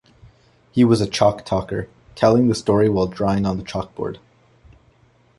He was a 'chalk talker', telling the story while drawing on the chalk board.